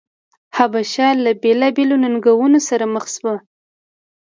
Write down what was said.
حبشه له بېلابېلو ننګونو سره مخ شوه.